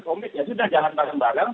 komik ya sudah jangan bareng bareng